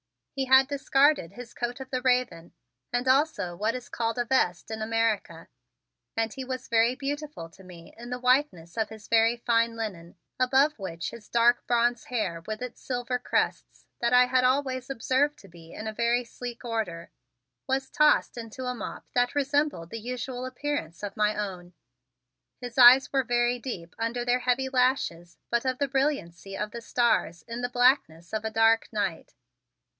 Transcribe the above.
He had discarded his coat of the raven and also what is called a vest in America, and he was very beautiful to me in the whiteness of his very fine linen above which his dark bronze hair with its silver crests, that I had always observed to be in a very sleek order, was tossed into a mop that resembled the usual appearance of my own. His eyes were very deep under their heavy lashes but of the brilliancy of the stars in the blackness of a dark night.